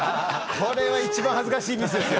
これは、一番恥ずかしいミスですよ。